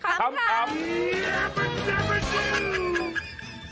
ขำคุณผู้ชมครับบางทีง่วงง่วงนอน